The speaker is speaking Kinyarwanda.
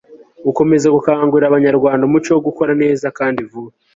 gukomeza gukangurira abanyarwanda umuco wo gukora neza kandi vuba